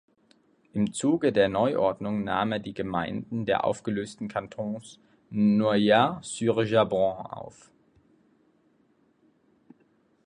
Im Zuge der Neuordnung nahm er die Gemeinden der aufgelösten Kantons Noyers-sur-Jabron auf.